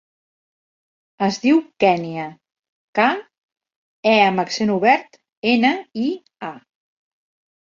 Es diu Kènia: ca, e amb accent obert, ena, i, a.